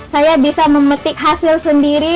saya bisa memetik hasil sendiri